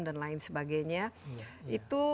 dan lain sebagainya itu